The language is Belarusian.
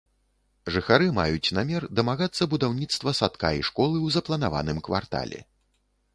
Жыхары маюць намер дамагацца будаўніцтва садка і школы ў запланаваным квартале.